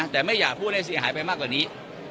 แต่ไม่อยากพูดให้เสียหายไปมากกว่านี้